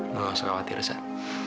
lo nggak usah khawatir sat